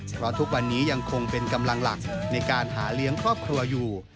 เพราะทุกวันนี้ยังคงเป็นกำลังหลักในการหาเลี้ยงครอบครัวอยู่